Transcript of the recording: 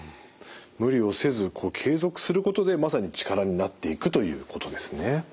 無理をせず継続することでまさに力になっていくということですね。